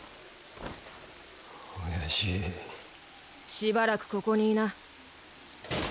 しばらくここにいな。